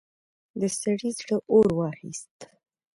د سړي زړه اور واخيست.